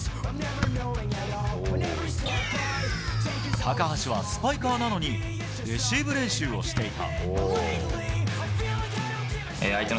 高橋はスパイカーなのにレシーブ練習をしていた。